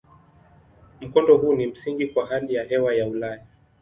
Mkondo huu ni msingi kwa hali ya hewa ya Ulaya.